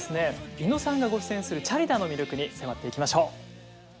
猪野さんがご出演する「チャリダー★」の魅力に迫っていきましょう。